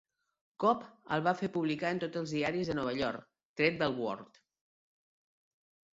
Cobb el va fer publicar en tots els diaris de Nova York, tret del "World".